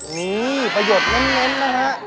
นี่ประโยชน์เน้นนะฮะ